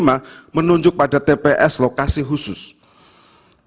bahwa pemohon mendalikan terdapat tps yang tidak benar dan tidak berdasar